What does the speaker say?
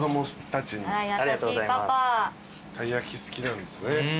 たいやき好きなんですね。